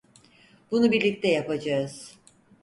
Bunu birlikte yapacağız.